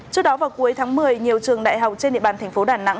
trước đó vào cuối tháng một mươi nhiều trường đại học trên địa bàn tp đà nẵng